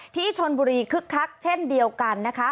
ที่ชนบุรีคึกคักเช่นเดียวกันนะคะ